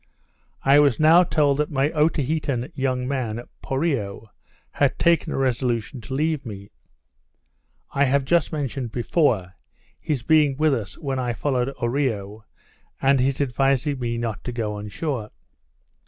I was now told that my Otaheitean young man, Poreo, had taken a resolution to leave me. I have just mentioned before, his being with us when I followed Oreo, and his advising me not to go on shore.